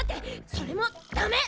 それもダメ！